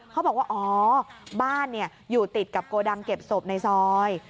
เขาบอกว่าอ๋อบ้านอยู่ติดกับโกดังเก็บศพในซอย